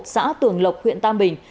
xã tường lộc huyện tam bình